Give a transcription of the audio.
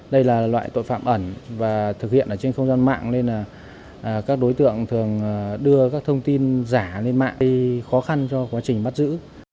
đây là loại tội phạm ẩn và thực hiện ở trên không gian mạng nên là các đối tượng thường đưa các thông tin giả lên mạng khó khăn cho quá trình bắt giữ